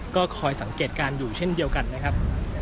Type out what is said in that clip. ก็คอยสังเกตการณ์อยู่เช่นเดียวกันนะครับ